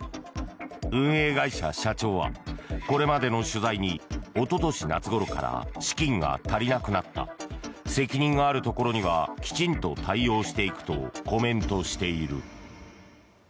運営会社社長はこれまでの取材におととし夏ごろから資金が足りなくなった責任があるところにはきちんと対応していくとコメントしている。